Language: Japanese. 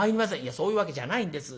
「そういうわけじゃないんですよ。